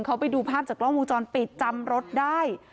เขาไปดูภาพจากกล้องวงจรปิดจำรถได้